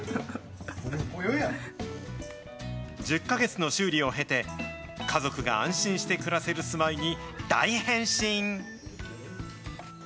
１０か月の修理を経て、家族が安心して暮らせる住まいに大変身。